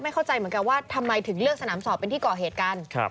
เข้าใจเหมือนกันว่าทำไมถึงเลือกสนามสอบเป็นที่ก่อเหตุกัน